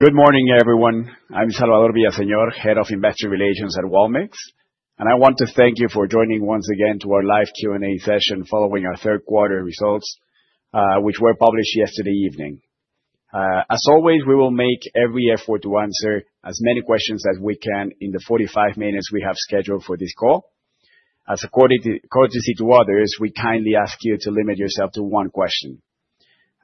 Good morning, everyone. I'm Salvador Villaseñor, Head of Investor Relations at Walmart, and I want to thank you for joining once again to our live Q&A session following our third quarter results, which were published yesterday evening. As always, we will make every effort to answer as many questions as we can in the 45 minutes we have scheduled for this call. As a courtesy to others, we kindly ask you to limit yourself to one question.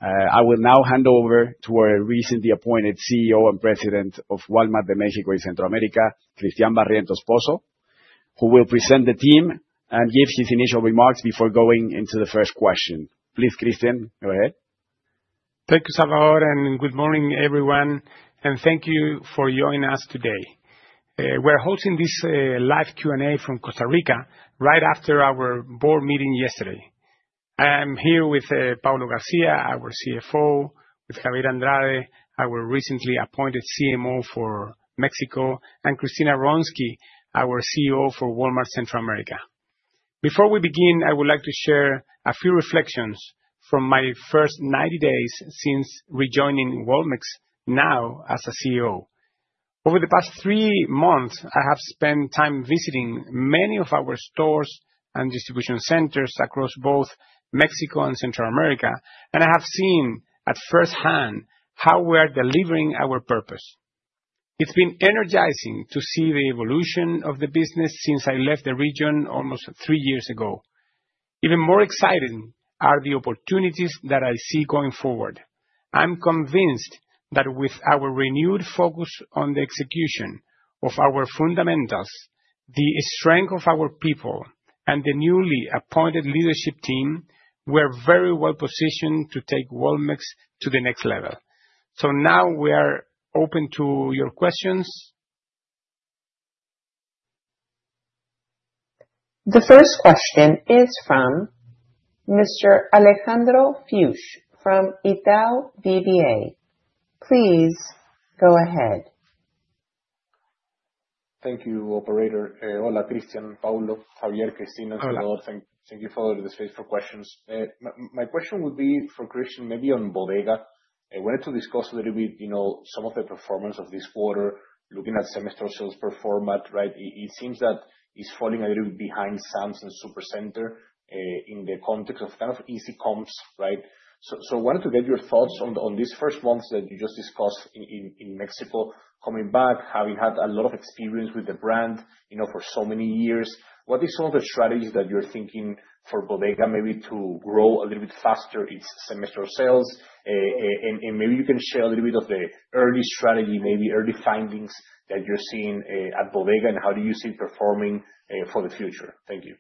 I will now hand over to our recently appointed CEO and President of Walmart de México y Centroamérica, Cristian Barrientos Pozo, who will present the team and give his initial remarks before going into the first question. Please, Cristian, go ahead. Thank you, Salvador, and good morning, everyone, and thank you for joining us today. We're hosting this live Q&A from Costa Rica right after our board meeting yesterday. I'm here with Paulo Garcia, our CFO, with Javier Andrade, our recently appointed CMO for Mexico, and Cristina Ronski, our CEO for Walmart Centroamérica. Before we begin, I would like to share a few reflections from my first 90 days since rejoining Walmart now as a CEO. Over the past three months, I have spent time visiting many of our stores and distribution centers across both Mexico and Centroamérica, and I have seen firsthand how we are delivering our purpose. It's been energizing to see the evolution of the business since I left the region almost three years ago. Even more exciting are the opportunities that I see going forward. I'm convinced that with our renewed focus on the execution of our fundamentals, the strength of our people, and the newly appointed leadership team, we're very well positioned to take Walmart to the next level. So now we are open to your questions. The first question is from Mr. Alejandro Fuchs from Itaú BBA. Please go ahead. Thank you, Operator. Hola, Cristian, Paulo, Javier, Cristina, Salvador. Thank you for the space for questions. My question would be for Cristian, maybe on Bodega. I wanted to discuss a little bit some of the performance of this quarter, looking at same-store sales per format. It seems that it's falling a little bit behind Sam's and Supercenter in the context of kind of easy comps. So I wanted to get your thoughts on these first months that you just discussed in Mexico, coming back, having had a lot of experience with the brand for so many years. What are some of the strategies that you're thinking for Bodega maybe to grow a little bit faster its same-store sales? And maybe you can share a little bit of the early strategy, maybe early findings that you're seeing at Bodega, and how do you see it performing for the future? Thank you.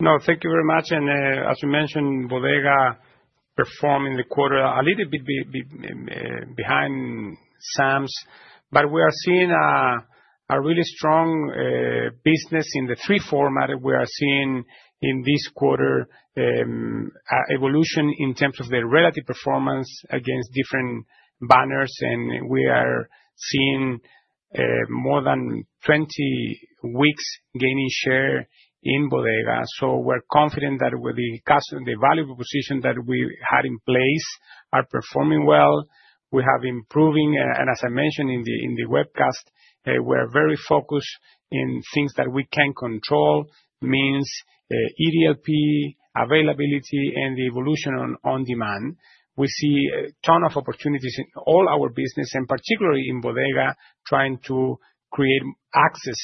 No, thank you very much. And as you mentioned, Bodega performed in the quarter a little bit behind Sam's. But we are seeing a really strong business in the three formats we are seeing in this quarter, evolution in terms of their relative performance against different banners. And we are seeing more than 20 weeks gaining share in Bodega. So we're confident that with the value proposition that we had in place, we are performing well. We have improving. And as I mentioned in the webcast, we are very focused on things that we can control, means EDLP, availability, and the evolution on demand. We see a ton of opportunities in all our business, and particularly in Bodega, trying to create access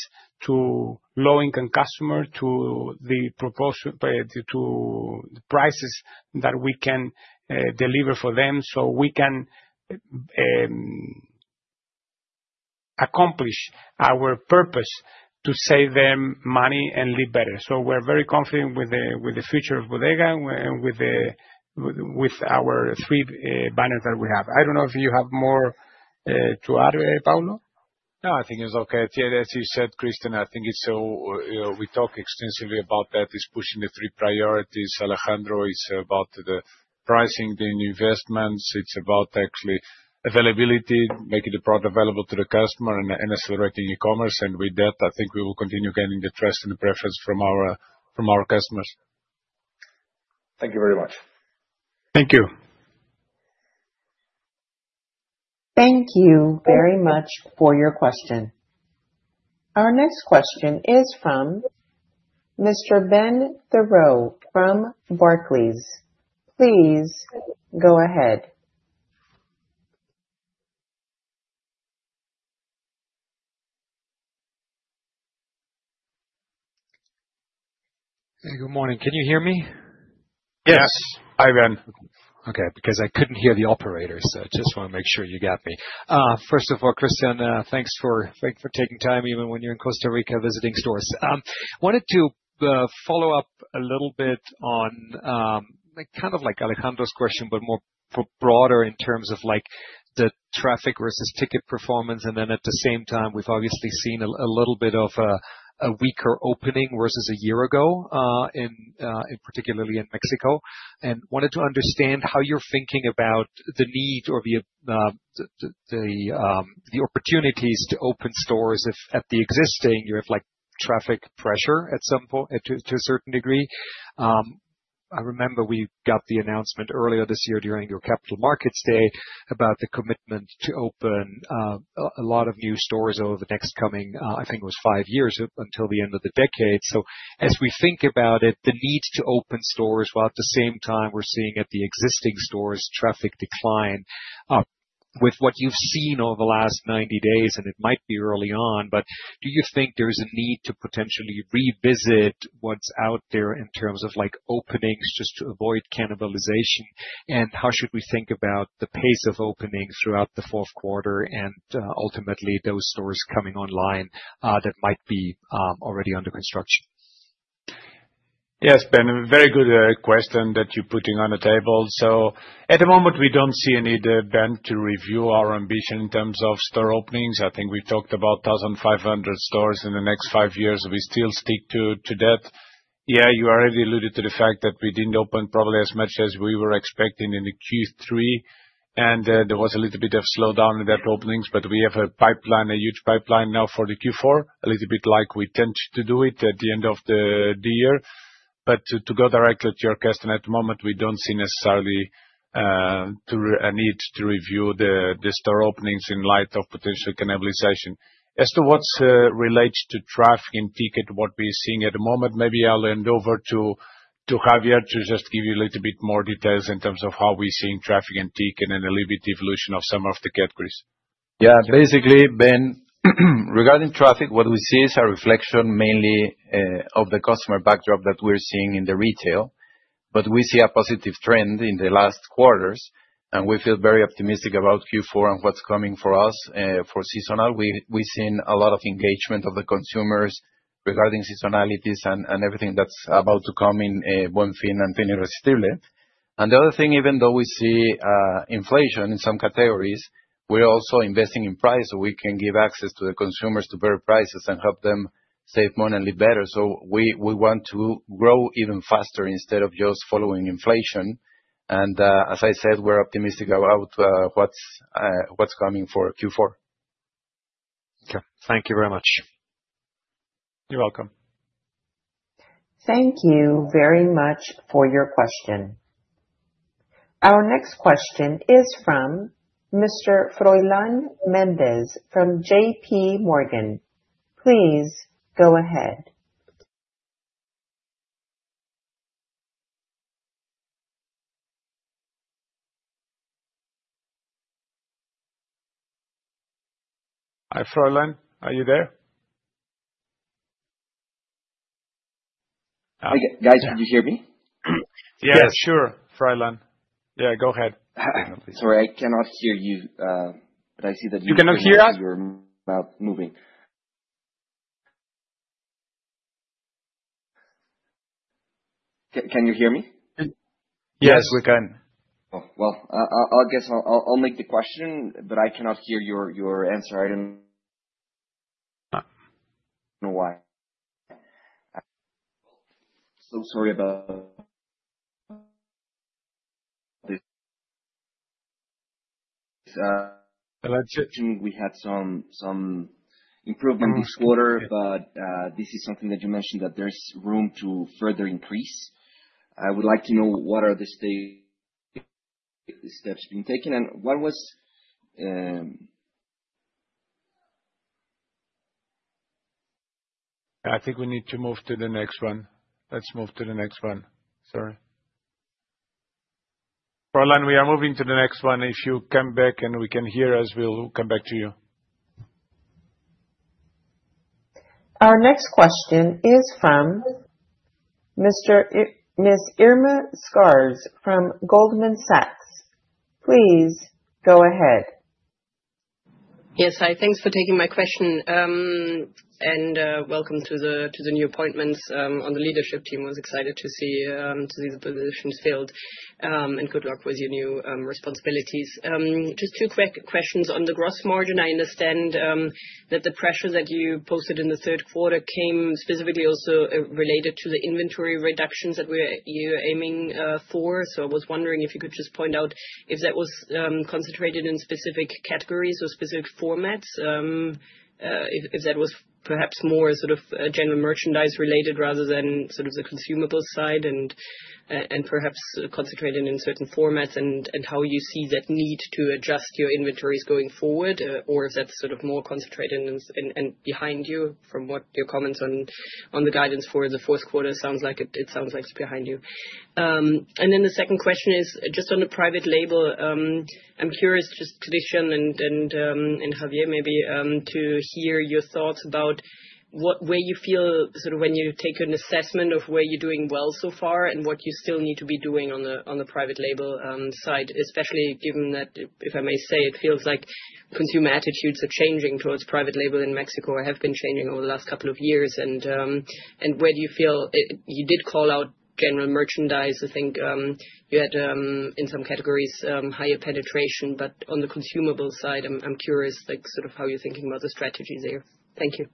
to low-income customers to the prices that we can deliver for them so we can accomplish our purpose to save them money and live better. So we're very confident with the future of Bodega and with our three banners that we have. I don't know if you have more to add, Paulo. No, I think it's okay. As you said, Cristian, I think we talked extensively about that, is pushing the three priorities. Alejandro is about the pricing, the investments. It's about actually availability, making the product available to the customer, and accelerating e-commerce, and with that, I think we will continue gaining the trust and the preference from our customers. Thank you very much. Thank you. Thank you very much for your question. Our next question is from Mr. Ben Theurer from Barclays. Please go ahead. Hey, good morning. Can you hear me? Yes. Hi, Ben. Okay, because I couldn't hear the operator, so I just want to make sure you got me. First of all, Cristian, thanks for taking time, even when you're in Costa Rica visiting stores. I wanted to follow up a little bit on kind of like Alejandro's question, but more broader in terms of the traffic versus ticket performance. And then at the same time, we've obviously seen a little bit of a weaker opening versus a year ago, particularly in Mexico. And I wanted to understand how you're thinking about the need or the opportunities to open stores if at the existing you have traffic pressure at some point to a certain degree. I remember we got the announcement earlier this year during your Capital Markets Day about the commitment to open a lot of new stores over the next coming, I think it was five years until the end of the decade, so as we think about it, the need to open stores while at the same time we're seeing at the existing stores traffic decline with what you've seen over the last 90 days, and it might be early on, but do you think there is a need to potentially revisit what's out there in terms of openings just to avoid cannibalization, and how should we think about the pace of opening throughout the fourth quarter and ultimately those stores coming online that might be already under construction? Yes, Ben, a very good question that you're putting on the table. So at the moment, we don't see any demand to review our ambition in terms of store openings. I think we've talked about 1,500 stores in the next five years. We still stick to that. Yeah, you already alluded to the fact that we didn't open probably as much as we were expecting in the Q3. And there was a little bit of slowdown in that openings, but we have a pipeline, a huge pipeline now for the Q4, a little bit like we tend to do it at the end of the year. But to go directly to your question, at the moment, we don't see necessarily a need to review the store openings in light of potential cannibalization. As it relates to traffic and ticket, what we're seeing at the moment, maybe I'll hand over to Javier to just give you a little bit more details in terms of how we're seeing traffic and ticket and a little bit evolution of some of the categories. Yeah. Basically, Ben, regarding traffic, what we see is a reflection mainly of the customer backdrop that we're seeing in the retail. But we see a positive trend in the last quarters. And we feel very optimistic about Q4 and what's coming for us for seasonal. We've seen a lot of engagement of the consumers regarding seasonalities and everything that's about to come in Buen Fin and Fin Irresistible. And the other thing, even though we see inflation in some categories, we're also investing in price so we can give access to the consumers to better prices and help them save money and live better. So we want to grow even faster instead of just following inflation. And as I said, we're optimistic about what's coming for Q4. Okay, thank you very much. You're welcome. Thank you very much for your question. Our next question is from Mr. Froylan Méndez from J.P. Morgan. Please go ahead. Hi, Froylan. Are you there? Hi, guys. Can you hear me? Yes, sure, Froylan. Yeah, go ahead. Sorry, I cannot hear you, but I see that you can. You cannot hear us? Your mouth moving. Can you hear me? Yes, we can. I guess I'll make the question, but I cannot hear your answer. I don't know why. Sorry about this. We had some improvement this quarter, but this is something that you mentioned that there's room to further increase. I would like to know what are the steps being taken and what was. I think we need to move to the next one. Let's move to the next one. Sorry. Froylan, we are moving to the next one. If you come back and we can hear us, we'll come back to you. Our next question is from Ms. Irma Sgarz from Goldman Sachs. Please go ahead. Yes, hi. Thanks for taking my question and welcome to the new appointments on the leadership team. I was excited to see the positions filled and good luck with your new responsibilities. Just two quick questions on the gross margin. I understand that the pressure that you posted in the third quarter came specifically also related to the inventory reductions that you're aiming for, so I was wondering if you could just point out if that was concentrated in specific categories or specific formats, if that was perhaps more sort of general merchandise related rather than sort of the consumable side and perhaps concentrated in certain formats and how you see that need to adjust your inventories going forward, or if that's sort of more concentrated and behind you from what your comments on the guidance for the fourth quarter sounds like it sounds like it's behind you? And then the second question is just on the private label. I'm curious, just Cristian and Javier, maybe to hear your thoughts about where you feel sort of when you take an assessment of where you're doing well so far and what you still need to be doing on the private label side, especially given that, if I may say, it feels like consumer attitudes are changing towards private label in Mexico or have been changing over the last couple of years. And where do you feel you did call out general merchandise, I think you had in some categories higher penetration, but on the consumable side, I'm curious sort of how you're thinking about the strategy there. Thank you.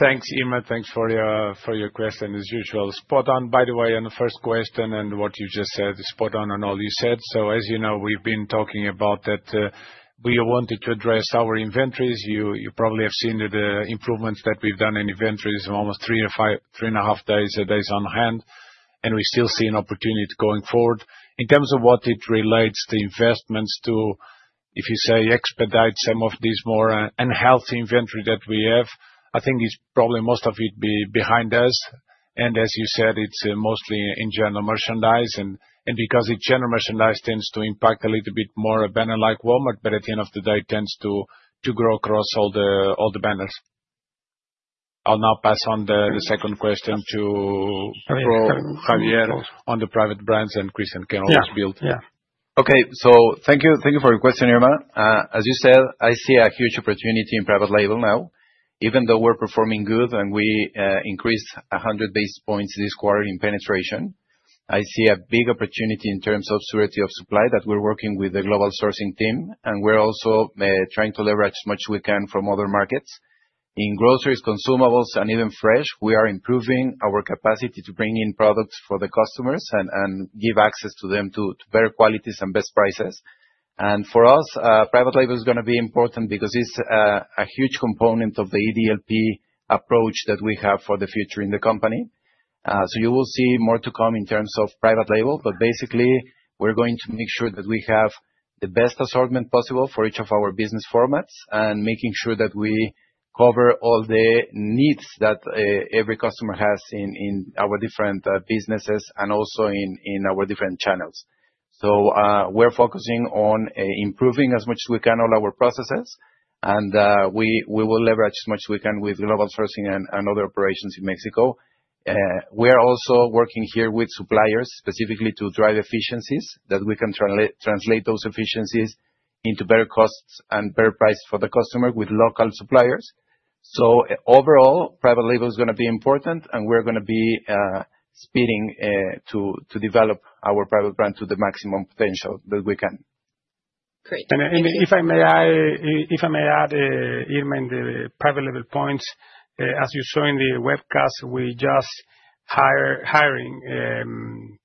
Thanks, Irma. Thanks for your question, as usual. Spot on, by the way, on the first question and what you just said, spot on on all you said, so as you know, we've been talking about that. We wanted to address our inventories. You probably have seen the improvements that we've done in inventories almost three and a half days on hand, and we're still seeing opportunity going forward. In terms of what it relates to investments to, if you say, expedite some of these more unhealthy inventory that we have, I think it's probably most of it be behind us, and as you said, it's mostly in general merchandise, and because general merchandise tends to impact a little bit more a banner like Walmart, but at the end of the day, it tends to grow across all the banners. I'll now pass on the second question to Javier on the private brands, and Cristian can always build. Yeah. Okay, so thank you for your question, Irma. As you said, I see a huge opportunity in private label now. Even though we're performing good and we increased 100 basis points this quarter in penetration, I see a big opportunity in terms of surety of supply that we're working with the global sourcing team, and we're also trying to leverage as much as we can from other markets. In groceries, consumables, and even fresh, we are improving our capacity to bring in products for the customers and give access to them to better qualities and best prices, and for us, private label is going to be important because it's a huge component of the EDLP approach that we have for the future in the company. You will see more to come in terms of private label, but basically, we're going to make sure that we have the best assortment possible for each of our business formats and making sure that we cover all the needs that every customer has in our different businesses and also in our different channels. We're focusing on improving as much as we can all our processes. We will leverage as much as we can with global sourcing and other operations in Mexico. We are also working here with suppliers specifically to drive efficiencies that we can translate those efficiencies into better costs and better prices for the customer with local suppliers. Overall, private label is going to be important, and we're going to be speeding to develop our private brand to the maximum potential that we can. Great. And if I may add, Irma, in the private label points, as you saw in the webcast, we just hired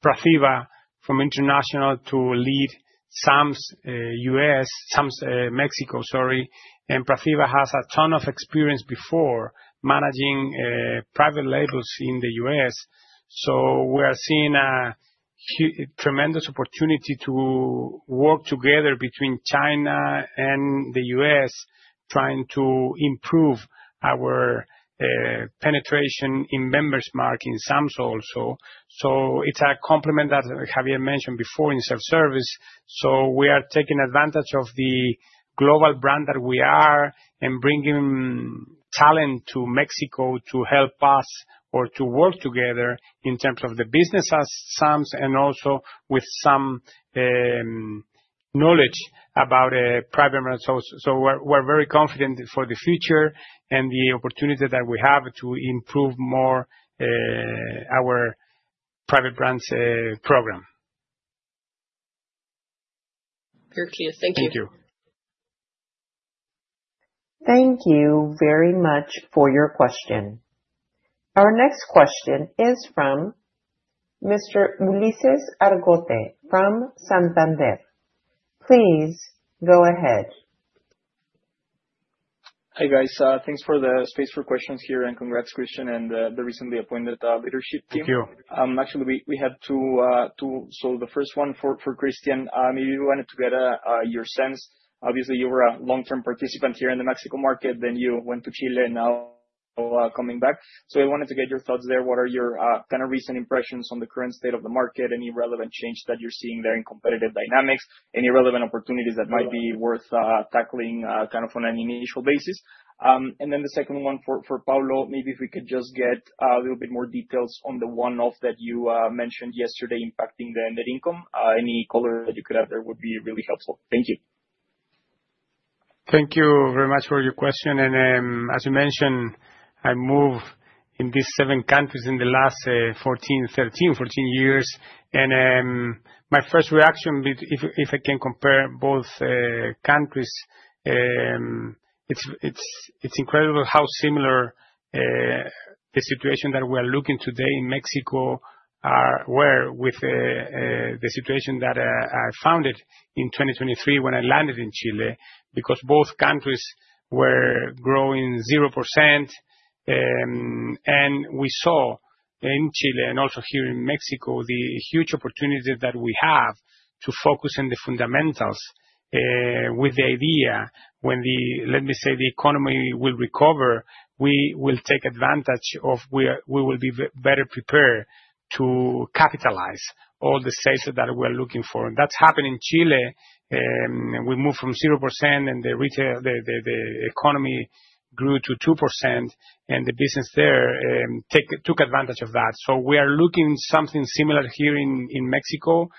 Prathibha from International to lead Sam's U.S., Sam's Mexico, sorry. And Prathibha has a ton of experience before managing private labels in the U.S. So we are seeing a tremendous opportunity to work together between China and the U.S. trying to improve our penetration in Member's Mark in Sam's also. So it's a complement that Javier mentioned before in self-service. So we are taking advantage of the global brand that we are and bringing talent to Mexico to help us or to work together in terms of the business as Sam's and also with some knowledge about private brands. So we're very confident for the future and the opportunity that we have to improve more our private brands program. Very clear. Thank you. Thank you. Thank you very much for your question. Our next question is from Mr. Ulises Argote from Santander. Please go ahead. Hi guys. Thanks for the space for questions here and congrats, Cristian, and the recently appointed leadership team. Thank you. Actually, we have two. So the first one for Cristian, maybe we wanted to get your sense. Obviously, you were a long-term participant here in the Mexico market, then you went to Chile and now coming back. So I wanted to get your thoughts there. What are your kind of recent impressions on the current state of the market, any relevant change that you're seeing there in competitive dynamics, any relevant opportunities that might be worth tackling kind of on an initial basis? And then the second one for Paulo, maybe if we could just get a little bit more details on the one-off that you mentioned yesterday impacting the net income, any color that you could add there would be really helpful. Thank you. Thank you very much for your question, and as you mentioned, I moved in these seven countries in the last 14, 13, 14 years, and my first reaction, if I can compare both countries, it's incredible how similar the situation that we are looking today in Mexico are with the situation that I found in 2023 when I landed in Chile because both countries were growing 0%, and we saw in Chile and also here in Mexico the huge opportunity that we have to focus on the fundamentals with the idea when the, let me say, the economy will recover, we will take advantage of we will be better prepared to capitalize all the sales that we are looking for, and that's happened in Chile. We moved from 0% and the economy grew to 2% and the business there took advantage of that. So we are looking at something similar here in Mexico,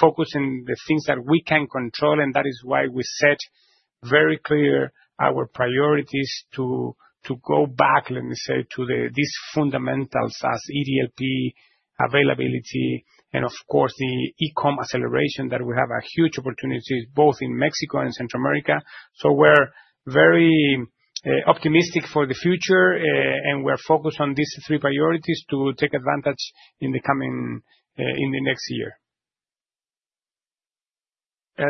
focusing on the things that we can control. And that is why we set very clear our priorities to go back, let me say, to these fundamentals as EDLP, availability, and of course, the e-comm acceleration that we have a huge opportunity both in Mexico and Central America. So we're very optimistic for the future and we're focused on these three priorities to take advantage in the next year.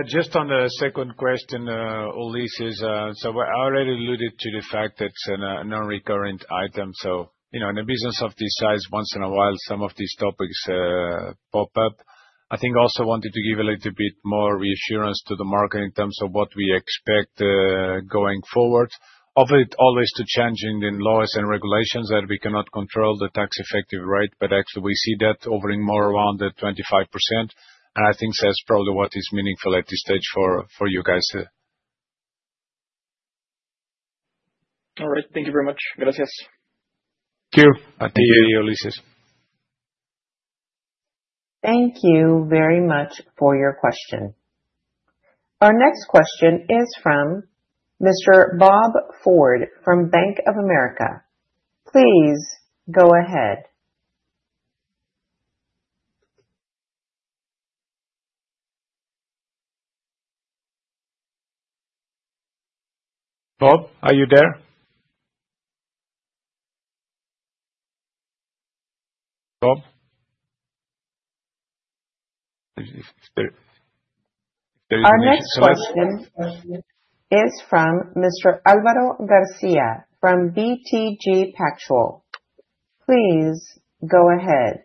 Just on the second question, Ulises, so I already alluded to the fact that it's a non-recurrent item, so in a business of this size, once in a while, some of these topics pop up. I think also wanted to give a little bit more reassurance to the market in terms of what we expect going forward. Of it always to change in laws and regulations that we cannot control the effective tax rate, but actually we see that hovering more around the 25%, and I think that's probably what is meaningful at this stage for you guys. All right. Thank you very much. Gracias. Thank you. Thank you, Ulises. Thank you very much for your question. Our next question is from Mr. Bob Ford from Bank of America. Please go ahead. Bob, are you there? Bob? Our next question is from Mr. Álvaro Garcia from BTG Pactual. Please go ahead.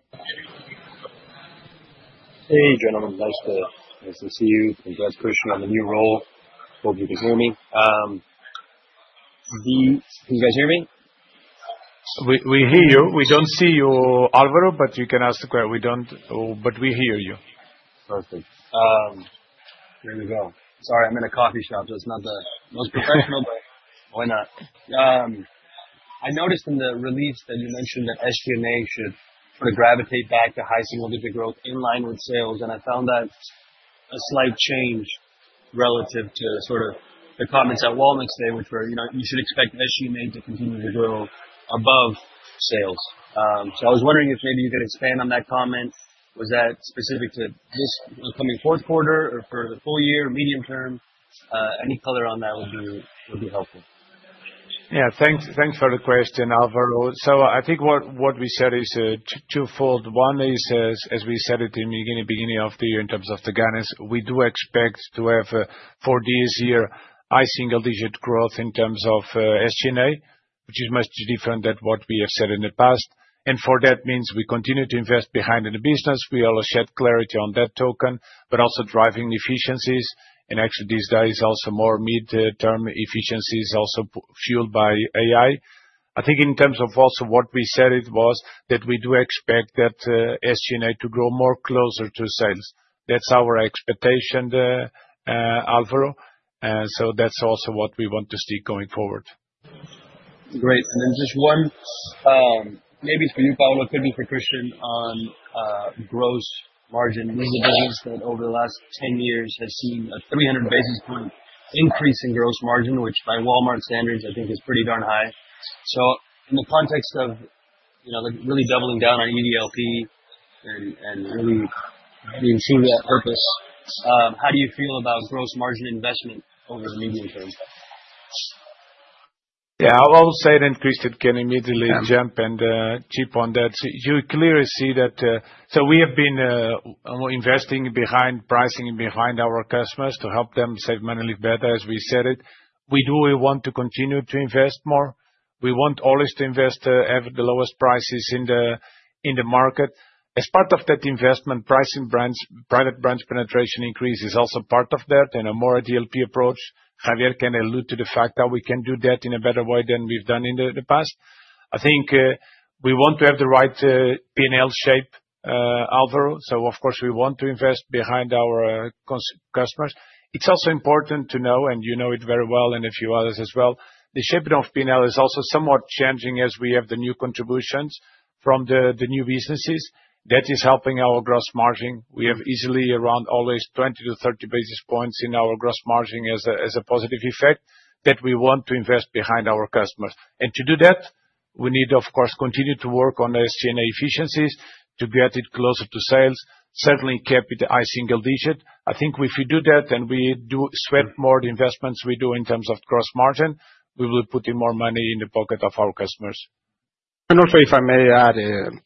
Hey, gentlemen. Nice to see you. Congrats, Cristian, on the new role. Hope you can hear me. Can you guys hear me? We hear you. We don't see you, Álvaro, but you can ask the question. We don't, but we hear you. Perfect. There we go. Sorry, I'm in a coffee shop. So it's not the most professional, but why not? I noticed in the release that you mentioned that SG&A should sort of gravitate back to high single-digit growth in line with sales. And I found that a slight change relative to sort of the comments at Walmart today, which were you should expect SG&A to continue to grow above sales. So I was wondering if maybe you could expand on that comment. Was that specific to this coming fourth quarter or for the full year, medium term? Any color on that would be helpful. Yeah. Thanks for the question, Álvaro. So I think what we said is twofold. One is, as we said at the beginning of the year in terms of the guidance, we do expect to have for this year high single-digit growth in terms of SG&A, which is much different than what we have said in the past. And that means we continue to invest in the business. We also shed light on that topic, but also driving efficiencies. And actually these days also more mid-term efficiencies also fueled by AI. I think in terms of also what we said, it was that we do expect that SG&A to grow more closer to sales. That's our expectation, Álvaro. So that's also what we want to stick going forward. Great. And then just one, maybe it's for you, Paulo, could be for Cristian on gross margin. This is a business that over the last 10 years has seen a 300 basis point increase in gross margin, which by Walmart standards, I think is pretty darn high. So in the context of really doubling down on EDLP and really being true to that purpose, how do you feel about gross margin investment over the medium term? Yeah, I'll say it and Cristian can immediately jump and chime in on that. You clearly see that. So we have been investing behind pricing and behind our customers to help them save money better, as we said it. We do want to continue to invest more. We want always to invest at the lowest prices in the market. As part of that investment, pricing brands, private brands penetration increase is also part of that and a more EDLP approach. Javier can allude to the fact that we can do that in a better way than we've done in the past. I think we want to have the right P&L shape, Álvaro. So of course, we want to invest behind our customers. It's also important to know, and you know it very well and a few others as well. The shape of P&L is also somewhat changing as we have the new contributions from the new businesses. That is helping our gross margin. We have easily around always 20-30 basis points in our gross margin as a positive effect that we want to invest behind our customers, and to do that, we need, of course, continue to work on SG&A efficiencies to get it closer to sales, certainly cap it to high single digit. I think if we do that and we do sweat more investments we do in terms of gross margin, we will be putting more money in the pocket of our customers And also, if I may add,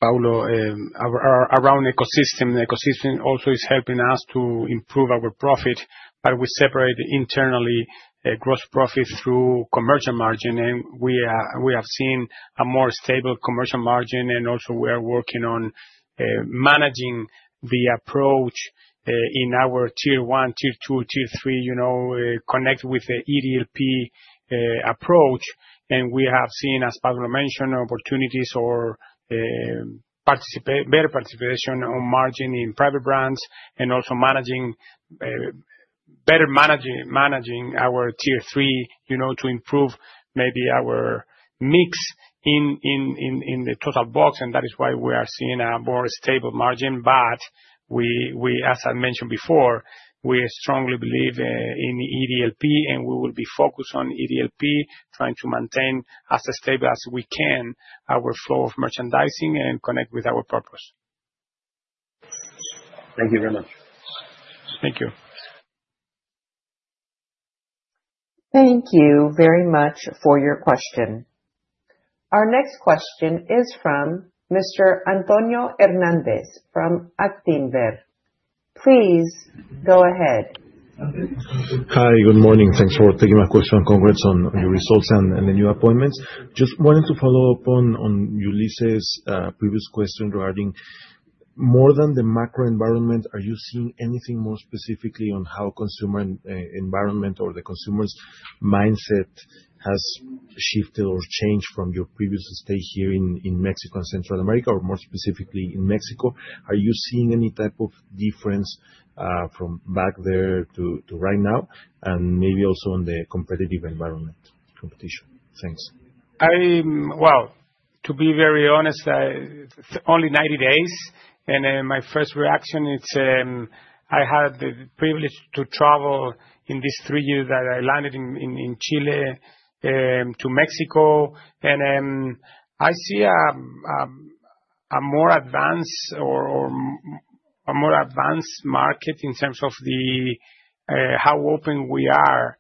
Paulo, around ecosystem, ecosystem also is helping us to improve our profit, but we separate internally gross profit through commercial margin, and we have seen a more stable commercial margin. And also, we are working on managing the approach in our tier one, tier two, tier three, connect with the EDLP approach. And we have seen, as Paulo mentioned, opportunities or better participation on margin in private brands and also better managing our tier three to improve maybe our mix in the total box. And that is why we are seeing a more stable margin. But we, as I mentioned before, we strongly believe in EDLP and we will be focused on EDLP, trying to maintain as stable as we can our flow of merchandising and connect with our purpose. Thank you very much. Thank you. Thank you very much for your question. Our next question is from Mr. Antonio Hernandez from Actinver. Please go ahead. Hi, good morning. Thanks for taking my question. Congrats on your results and the new appointments. Just wanted to follow up on Ulises' previous question regarding more than the macro environment, are you seeing anything more specifically on how consumer environment or the consumer's mindset has shifted or changed from your previous stay here in Mexico and Central America or more specifically in Mexico? Are you seeing any type of difference from back there to right now and maybe also in the competitive environment, competition? Thanks. To be very honest, only 90 days. My first reaction, I had the privilege to travel in these three years that I landed in Chile to Mexico. I see a more advanced or a more advanced market in terms of how open we are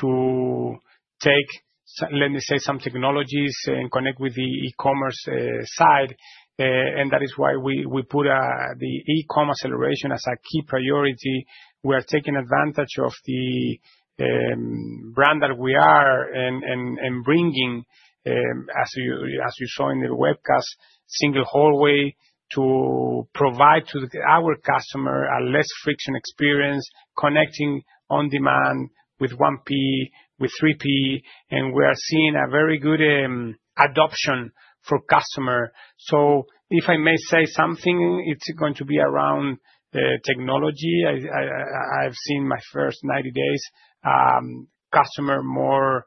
to take, let me say, some technologies and connect with the e-commerce side. That is why we put the e-commerce acceleration as a key priority. We are taking advantage of the brand that we are and bringing, as you saw in the webcast, One Hallway to provide to our customer a less friction experience, connecting on demand with 1P, with 3P. We are seeing a very good adoption for customers. If I may say something, it's going to be around technology. I've seen my first 90 days customer more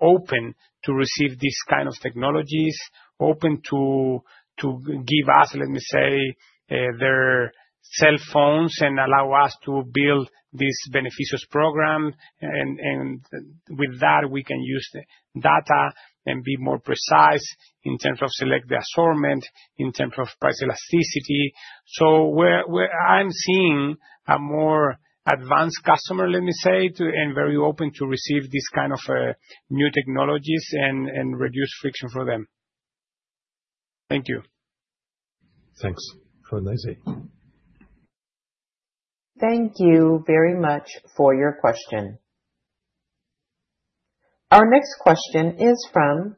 open to receive these kinds of technologies, open to give us, let me say, their cell phones and allow us to build this beneficial program. And with that, we can use the data and be more precise in terms of select the assortment, in terms of price elasticity. So I'm seeing a more advanced customer, let me say, and very open to receive these kinds of new technologies and reduce friction for them. Thank you. Thanks, Jorge. Thank you very much for your question. Our next question is from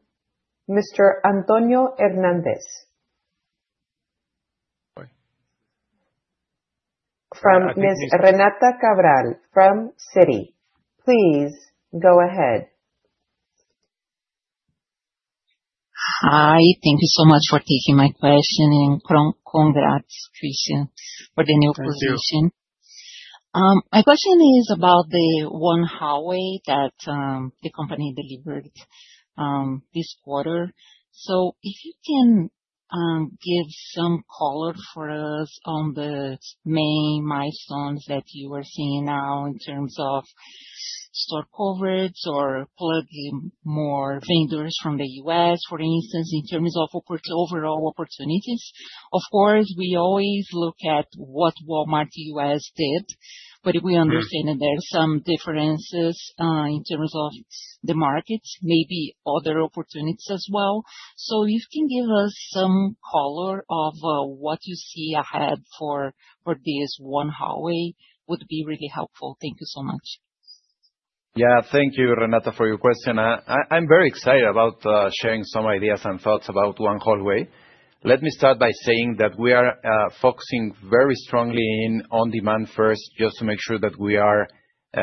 Mr. Antonio Hernandez. Hi. From Ms. Renata Cabral from Citi. Please go ahead. Hi. Thank you so much for taking my question, and congrats, Cristian, for the new position. Thank you. My question is about the One Hallway that the company delivered this quarter. So if you can give some color for us on the main milestones that you are seeing now in terms of store coverage or plugging more vendors from the U.S., for instance, in terms of overall opportunities. Of course, we always look at what Walmart U.S. did, but we understand that there are some differences in terms of the markets, maybe other opportunities as well. So if you can give us some color of what you see ahead for this One Hallway would be really helpful. Thank you so much. Yeah, thank you, Renata, for your question. I'm very excited about sharing some ideas and thoughts about One Hallway. Let me start by saying that we are focusing very strongly on demand first just to make sure that we are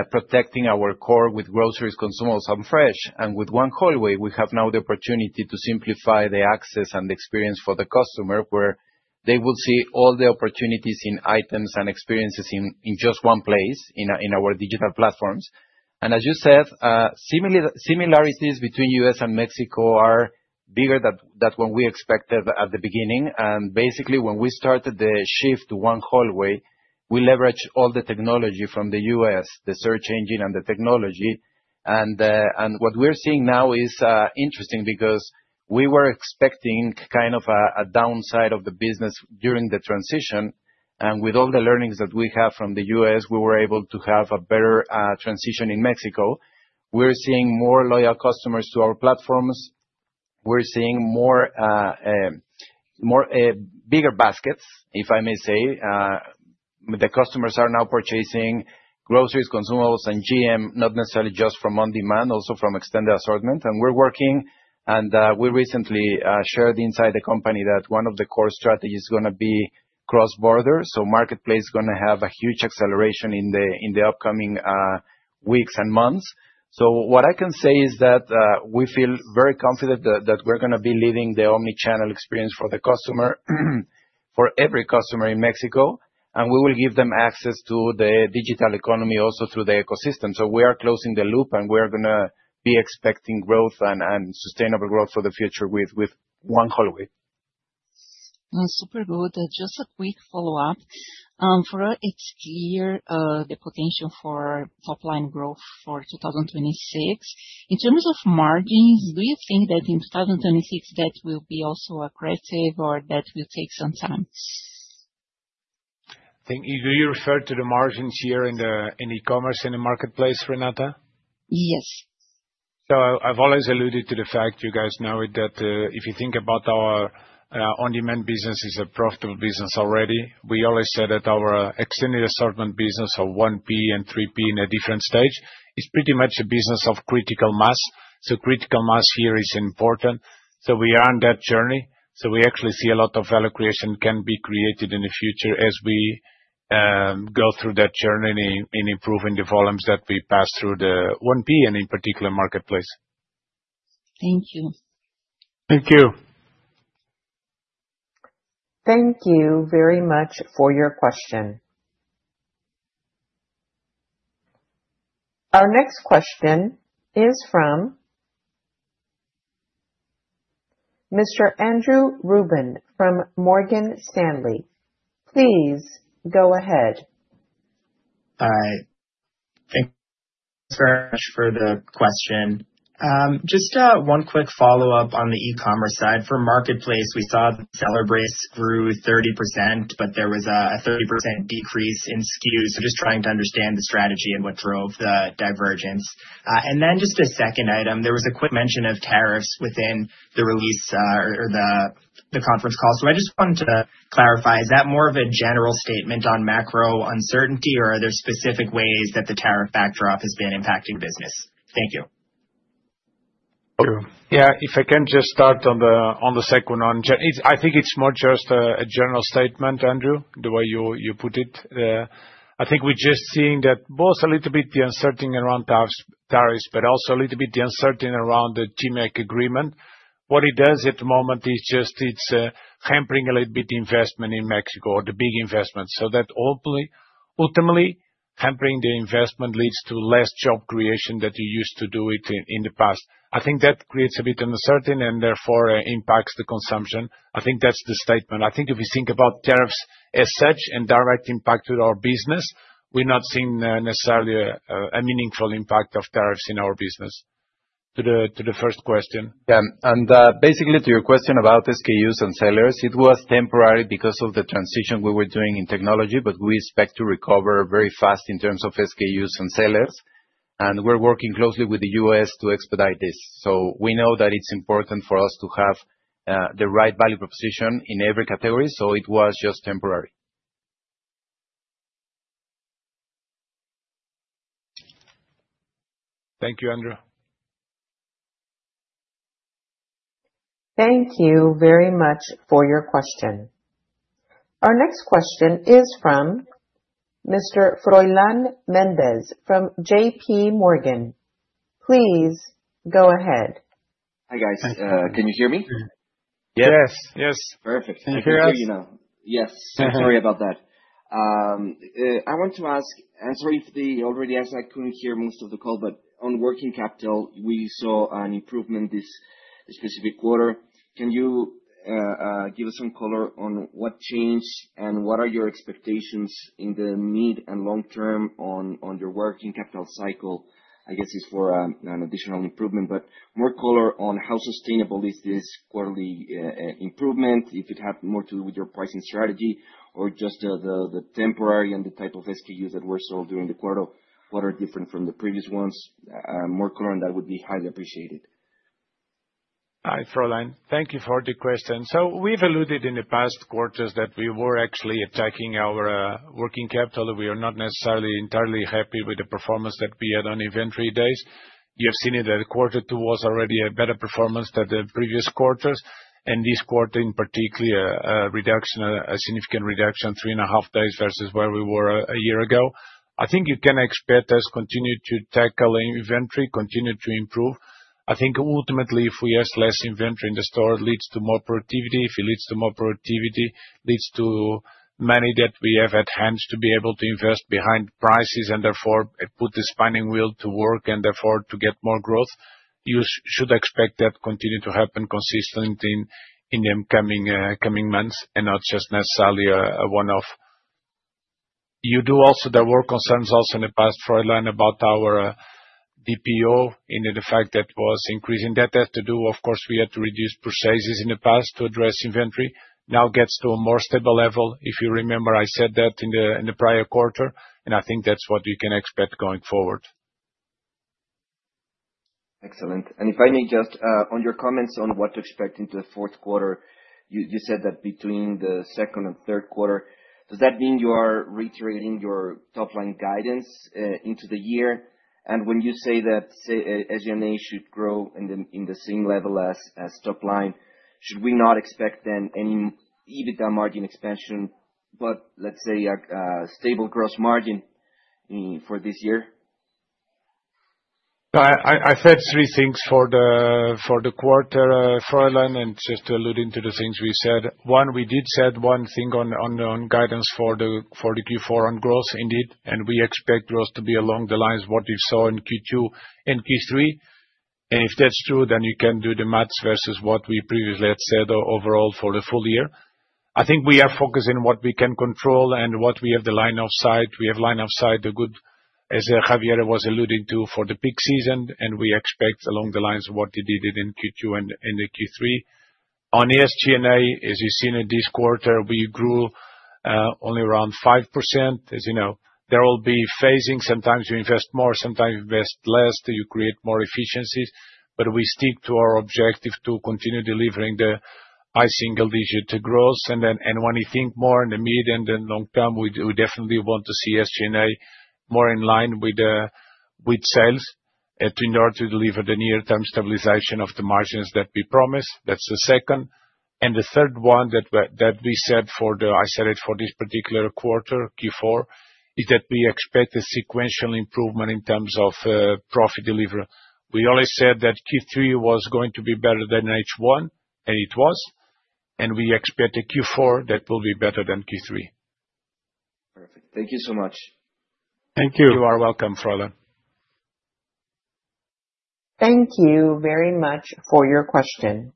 protecting our core with groceries, consumables, and fresh. And with One Hallway, we have now the opportunity to simplify the access and the experience for the customer where they will see all the opportunities in items and experiences in just one place in our digital platforms. And as you said, similarities between U.S. and Mexico are bigger than what we expected at the beginning. And basically, when we started the shift to One Hallway, we leveraged all the technology from the U.S., the search engine, and the technology. And what we're seeing now is interesting because we were expecting kind of a downside of the business during the transition. And with all the learnings that we have from the U.S., we were able to have a better transition in Mexico. We're seeing more loyal customers to our platforms. We're seeing bigger baskets, if I may say. The customers are now purchasing groceries, consumables, and GM, not necessarily just from on demand, also from extended assortment. And we're working, and we recently shared inside the company that one of the core strategies is going to be cross-border. So Marketplace is going to have a huge acceleration in the upcoming weeks and months. So what I can say is that we feel very confident that we're going to be leading the omnichannel experience for the customer, for every customer in Mexico. And we will give them access to the digital economy also through the ecosystem. So we are closing the loop, and we are going to be expecting growth and sustainable growth for the future with One Hallway. Super good. Just a quick follow-up. For us, it's clear the potential for top-line growth for 2026. In terms of margins, do you think that in 2026 that will be also aggressive or that will take some time? Do you refer to the margins here in e-commerce and in Marketplace, Renata? Yes. So I've always alluded to the fact, you guys know it, that if you think about our on-demand business, it's a profitable business already. We always said that our extended assortment business of 1P and 3P in a different stage is pretty much a business of critical mass. So critical mass here is important. So we are on that journey. So we actually see a lot of value creation can be created in the future as we go through that journey in improving the volumes that we pass through the 1P and in particular Marketplace. Thank you. Thank you. Thank you very much for your question. Our next question is from Mr. Andrew Ruben from Morgan Stanley. Please go ahead. Hi. Thank you so much for the question. Just one quick follow-up on the e-commerce side. For Marketplace, we saw the seller base grew 30%, but there was a 30% decrease in SKU, so just trying to understand the strategy and what drove the divergence, and then just a second item, there was a quick mention of tariffs within the release or the conference call, so I just wanted to clarify, is that more of a general statement on macro uncertainty, or are there specific ways that the tariff backdrop has been impacting business? Thank you. Yeah, if I can just start on the second one. I think it's more just a general statement, Andrew, the way you put it. I think we're just seeing that both a little bit the uncertainty around tariffs, but also a little bit the uncertainty around the USMCA agreement. What it does at the moment is just it's hampering a little bit investment in Mexico or the big investment. So that ultimately hampering the investment leads to less job creation that you used to do it in the past. I think that creates a bit of uncertainty and therefore impacts the consumption. I think that's the statement. I think if we think about tariffs as such and direct impact to our business, we're not seeing necessarily a meaningful impact of tariffs in our business. To the first question. Yeah. And basically to your question about SKUs and sellers, it was temporary because of the transition we were doing in technology, but we expect to recover very fast in terms of SKUs and sellers. And we're working closely with the U.S. to expedite this. So we know that it's important for us to have the right value proposition in every category. So it was just temporary. Thank you, Andrew. Thank you very much for your question. Our next question is from Mr. Froylan Méndez from J.P. Morgan. Please go ahead. Hi, guys. Can you hear me? Yes. Yes. Perfect. Thank you. I hear you now. Yes. Sorry about that. I want to ask. I'm sorry if they already asked. I couldn't hear most of the call, but on working capital, we saw an improvement this specific quarter. Can you give us some color on what changed and what are your expectations in the mid and long term on your working capital cycle? I guess it's for an additional improvement, but more color on how sustainable is this quarterly improvement, if it had more to do with your pricing strategy, or just the temporary and the type of SKUs that were sold during the quarter, what are different from the previous ones? More color on that would be highly appreciated. Hi, Froylan. Thank you for the question, so we've alluded in the past quarters that we were actually attacking our working capital. We are not necessarily entirely happy with the performance that we had on inventory days. You have seen that quarter two was already a better performance than the previous quarters, and this quarter, in particular, a significant reduction, three and a half days versus where we were a year ago. I think you can expect us to continue to tackle inventory, continue to improve. I think ultimately, if we have less inventory in the store, it leads to more productivity. If it leads to more productivity, it leads to money that we have at hand to be able to invest behind prices and therefore put the spinning wheel to work and therefore to get more growth. You should expect that to continue to happen consistently in the coming months and not just necessarily one-off. You do also there were concerns also in the past, Froylan, about our DPO and the fact that was increasing. That has to do, of course, we had to reduce purchases in the past to address inventory. Now gets to a more stable level. If you remember, I said that in the prior quarter, and I think that's what you can expect going forward. Excellent. And if I may just, on your comments on what to expect into the fourth quarter, you said that between the second and third quarter, does that mean you are reiterating your top-line guidance into the year? And when you say that SG&A should grow in the same level as top-line, should we not expect then any EBITDA margin expansion, but let's say a stable gross margin for this year? I said three things for the quarter, Froylan, and just to allude to the things we said. One, we did set one thing on guidance for the Q4 on growth, indeed. And we expect growth to be along the lines of what we saw in Q2 and Q3. And if that's true, then you can do the math versus what we previously had said overall for the full year. I think we are focusing on what we can control and what we have the line of sight. We have line of sight, as Javier was alluding to, for the peak season, and we expect along the lines of what we did in Q2 and in Q3. On SG&A, as you've seen in this quarter, we grew only around 5%. As you know, there will be phasing. Sometimes you invest more, sometimes you invest less, you create more efficiencies. But we stick to our objective to continue delivering the high single-digit growth. And when you think more in the mid and the long term, we definitely want to see SG&A more in line with sales in order to deliver the near-term stabilization of the margins that we promised. That's the second. And the third one that we said for the, I said it for this particular quarter, Q4, is that we expect a sequential improvement in terms of profit delivery. We always said that Q3 was going to be better than H1, and it was. And we expect a Q4 that will be better than Q3. Perfect. Thank you so much. Thank you. You are welcome, Froylan. Thank you very much for your question.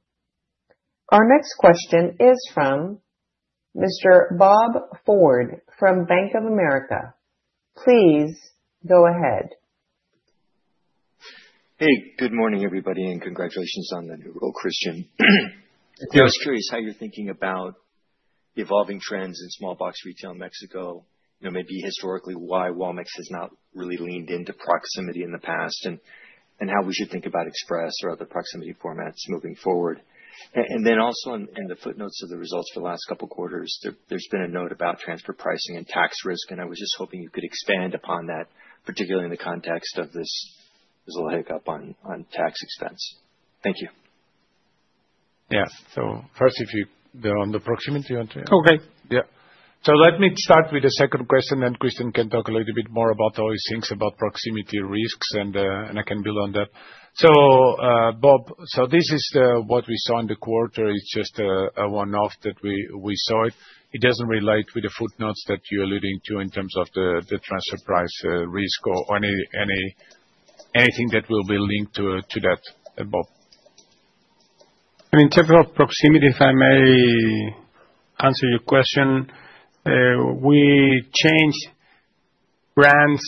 Our next question is from Mr. Bob Ford from Bank of America. Please go ahead. Hey, good morning, everybody, and congratulations on the new role, Cristian. I was curious how you're thinking about evolving trends in small-box retail in Mexico, maybe historically why Walmart has not really leaned into proximity in the past, and how we should think about Express or other proximity formats moving forward. And then also in the footnotes of the results for the last couple of quarters, there's been a note about transfer pricing and tax risk, and I was just hoping you could expand upon that, particularly in the context of this little hiccup on tax expense. Thank you. Yes. So first, if you're on the proximity one. Okay. Yeah. So let me start with the second question, then Cristian can talk a little bit more about those things about proximity risks, and I can build on that. So Bob, so this is what we saw in the quarter. It's just a one-off that we saw it. It doesn't relate with the footnotes that you're alluding to in terms of the transfer pricing risk or anything that will be linked to that, Bob. I mean, typical proximity, if I may answer your question, we changed brands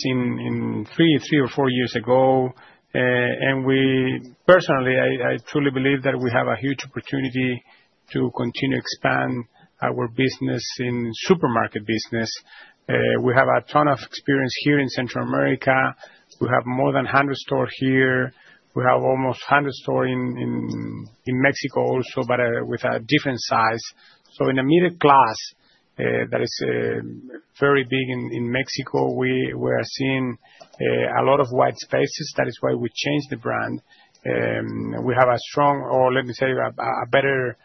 three or four years ago, and personally, I truly believe that we have a huge opportunity to continue to expand our business in supermarket business. We have a ton of experience here in Central America. We have more than 100 stores here. We have almost 100 stores in Mexico also, but with a different size, so in a middle class that is very big in Mexico, we are seeing a lot of white spaces. That is why we changed the brand. We have a strong, or let me say, a better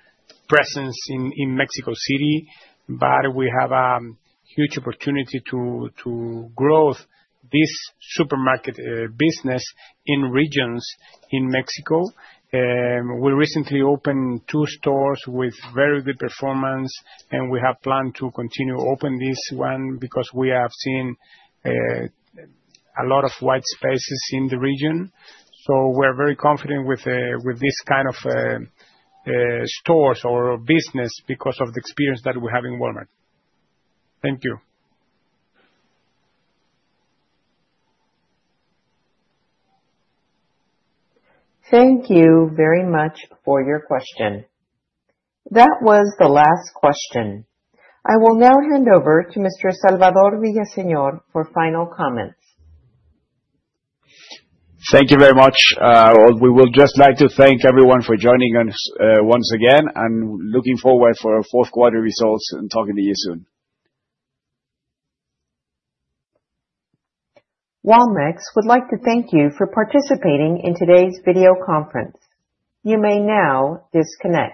presence in Mexico City, but we have a huge opportunity to grow this supermarket business in regions in Mexico. We recently opened two stores with very good performance, and we have planned to continue to open this one because we have seen a lot of white spaces in the region, so we're very confident with this kind of stores or business because of the experience that we have in Walmart. Thank you. Thank you very much for your question. That was the last question. I will now hand over to Mr. Salvador Villaseñor for final comments. Thank you very much. We would just like to thank everyone for joining us once again and looking forward to our fourth quarter results and talking to you soon. Walmart would like to thank you for participating in today's video conference. You may now disconnect.